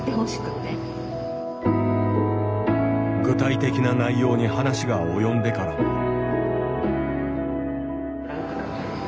具体的な内容に話が及んでからも。